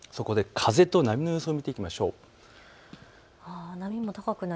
風と波の予想を見ていきましょう。